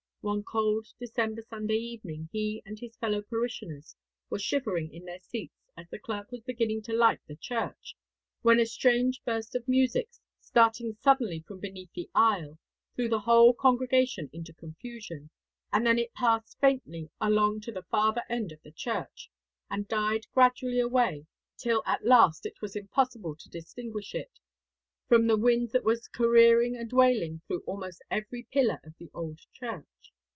One cold December Sunday evening he and his fellow parishioners were shivering in their seats as the clerk was beginning to light the church, when a strange burst of music, starting suddenly from beneath the aisle, threw the whole congregation into confusion, and then it passed faintly along to the farther end of the church, and died gradually away till at last it was impossible to distinguish it from the wind that was careering and wailing through almost every pillar of the old church.'